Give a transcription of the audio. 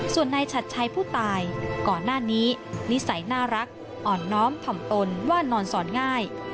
ส่วนนายชัดชัยผู้ตายก่อนหน้านี้นิสัยน่ารักอ่อนน้อมถ่อมตนว่านอนสอนง่าย